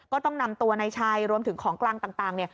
ก็ต้องนำตัวนายชัยรวมถึงของกลางต่าง